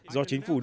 do chính phủ đưa ra